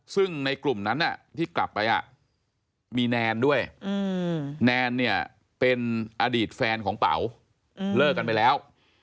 ซึ่งในกลุ่มนั้นที่กลับไปมีแนนด้วยแนนเนี่ยเป็นอดีตแฟนของเป๋าเลิกกันไปแล้ว